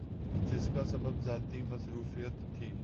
جس کا سبب ذاتی مصروفیت تھی ۔